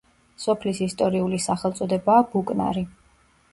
სოფლის ისტორიული სახელწოდებაა ბუკნარი.